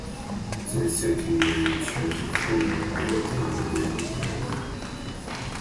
They settled near each other and formed villages and named them after themselves.